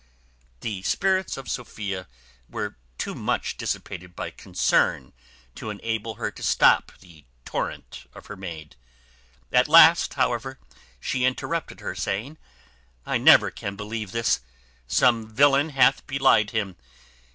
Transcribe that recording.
The spirits of Sophia were too much dissipated by concern to enable her to stop the torrent of her maid. At last, however, she interrupted her, saying, "I never can believe this; some villain hath belied him.